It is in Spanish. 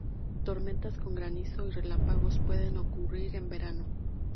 Tormentas con granizo y relámpagos pueden ocurrir en verano.